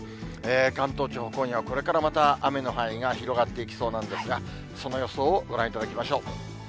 関東地方、今夜これからまた雨の範囲が広がっていきそうなんですが、その予想をご覧いただきましょう。